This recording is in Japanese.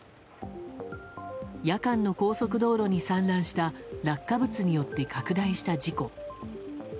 夜間の高速道路に散乱した落下物によって拡大した事故。